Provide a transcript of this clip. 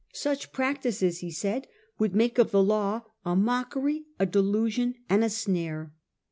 Such practices, he said, would make of the law ' a mockery, a delusion and a snare.